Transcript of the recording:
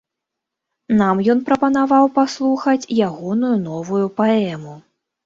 Нам ён прапанаваў паслухаць ягоную новую паэму.